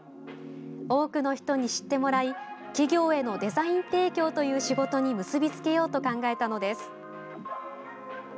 多くの人に知ってもらい企業へのデザイン提供という仕事に結び付けようと考えたのです。